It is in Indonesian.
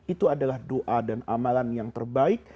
itu adalah doa dan amalan yang terbaik